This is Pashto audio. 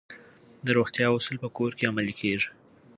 د روغتیا اصول په کور کې عملي کیږي.